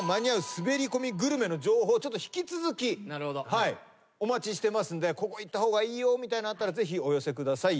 すべり込みグルメ」の情報を引き続きお待ちしてますんでここ行った方がいいよみたいなのあったらぜひお寄せください。